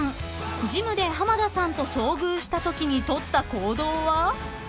［ジムで浜田さんと遭遇したときにとった行動は］